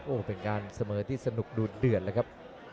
โอ้โหเป็นการเสมอที่สนุกดูดเดือดเลยครับ